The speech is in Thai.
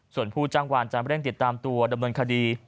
ส่วนผู้จ้างวานจะเร่งติดตามตัวดำเนินคดี